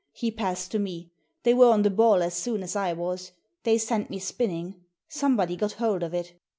He passed to me. They were on the ball as soon as I was. They sent me spinning. Somebody got hold of it.